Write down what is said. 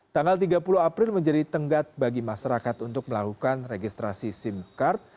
tanggal tiga puluh april menjadi tenggat bagi masyarakat untuk melakukan registrasi sim card